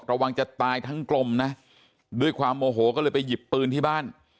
ระวังจะตายทั้งกลมนะด้วยความโมโหก็เลยไปหยิบปืนที่บ้าน